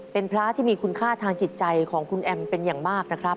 เป็นพระที่มีคุณค่าทางจิตใจของคุณแอมเป็นอย่างมากนะครับ